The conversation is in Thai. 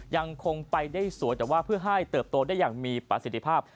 ยังคงไปได้สวยแต่ว่าเพื่อให้เติบโตได้อย่างมีประสิทธิภาพ